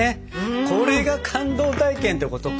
これが「感動体験」ってことか！